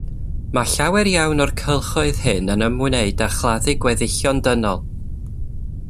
Mae llawer iawn o'r cylchoedd hyn yn ymwneud â chladdu gweddillion dynol.